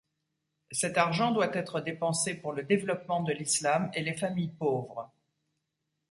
Cet argent doit être dépensé pour le développement de l’Islam et les familles pauvres.